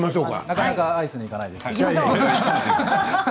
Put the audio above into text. なかなかアイスにいかないですね。